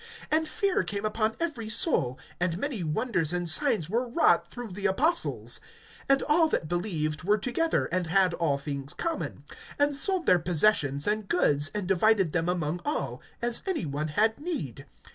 (43)And fear came upon every soul; and many wonders and signs were wrought through the apostles. (44)And all that believed were together, and had all things common; (45)and sold their possessions and goods, and divided them among all, as any one had need.